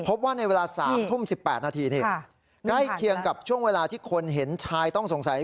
พบว่าในเวลา๓ทุ่ม๑๘นาทีนี่ใกล้เคียงกับช่วงเวลาที่คนเห็นชายต้องสงสัย